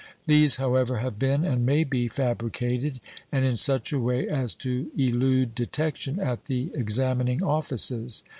These, however, have been and may be fabricated, and in such a way as to elude detection at the examining offices.